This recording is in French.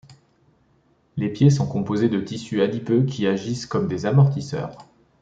Les pieds sont composés de tissus adipeux qui agissent comme des amortisseurs.